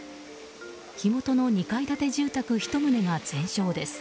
火元の２階建て住宅１棟が全焼です。